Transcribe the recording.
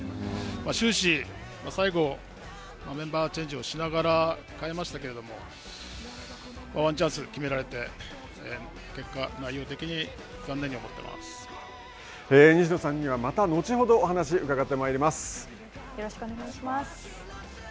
終始、最後メンバーチェンジをしながら代えましたけれども、ワンチャンス決められて、結果、内容的に残念に西野さんにはまた後ほどよろしくお願いします。